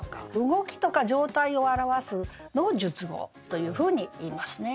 動きとか状態を表すのを述語というふうにいいますね。